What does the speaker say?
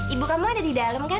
ibu kamu ada di dalam mungkin